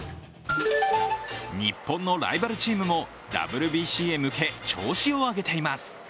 日本のライバルチームもＷＢＣへ向け、調子を上げています。